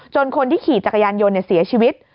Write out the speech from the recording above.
จนคนที่ขี่จักรยานโยนเนี่ยเสียชีวิต